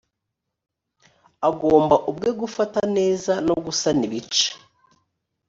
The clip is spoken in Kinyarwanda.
agomba ubwe gufata neza no gusana ibice